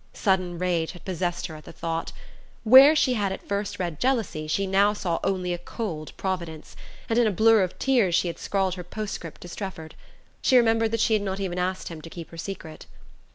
Sudden rage had possessed her at the thought: where she had at first read jealousy she now saw only a cold providence, and in a blur of tears she had scrawled her postscript to Strefford. She remembered that she had not even asked him to keep her secret.